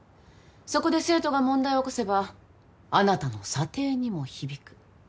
そこで生徒が問題を起こせばあなたの査定にも響く。